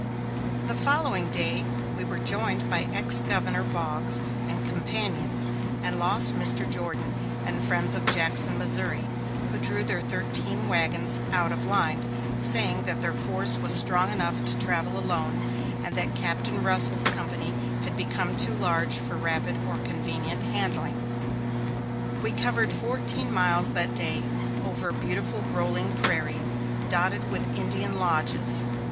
The following day we were joined by ex Governor Boggs and companions, and lost Mr. Jordan and friends of Jackson, Missouri, who drew their thirteen wagons out of line, saying that their force was strong enough to travel alone, and that Captain Russell's company had become too large for rapid or convenient handling. We covered fourteen miles that day over a beautiful rolling prairie, dotted with Indian lodges.